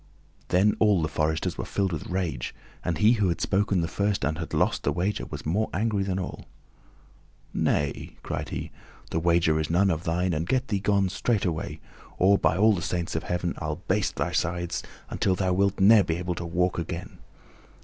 Then all the foresters were filled with rage, and he who had spoken the first and had lost the wager was more angry than all. "Nay," cried he, "the wager is none of thine, and get thee gone, straightway, or, by all the saints of heaven, I'll baste thy sides until thou wilt ne'er be able to walk again."